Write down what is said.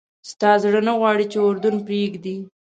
ستا زړه نه غواړي چې اردن پرېږدې.